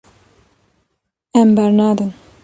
Em bernadin.